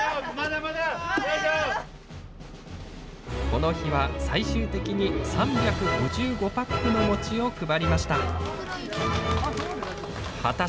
この日は最終的に３５５パックの餅を配りました。